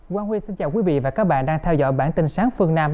quang huy xin chào quý vị và các bạn đang theo dõi bản tin sáng phương nam